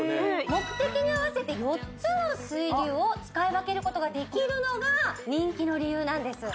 目的に合わせて４つの水流を使い分けることができるのが人気の理由なんです